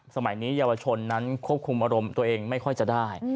สมัยนี้เยาวชนนั้นควบคุมอารมณ์ตัวเองไม่ค่อยจะได้